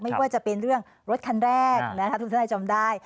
ไม่ว่าจะเป็นเรื่องรถคันแรกทุกท่านได้จำได้